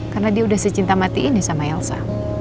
karena dia udah secinta matiin ya sama elsa